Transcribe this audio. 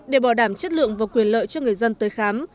để bảo đảm chất lượng và quyền lợi cho người dân tới khám